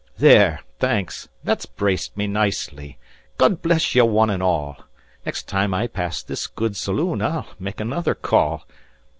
"There, thanks, that's braced me nicely; God bless you one and all; Next time I pass this good saloon I'll make another call.